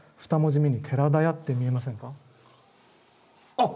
あっ！